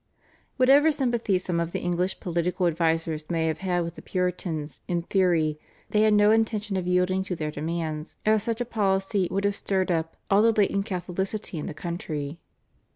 Whatever sympathy some of the English political advisers may have had with the Puritans in theory they had no intention of yielding to their demands, as such a policy would have stirred up all the latent Catholicity in the country.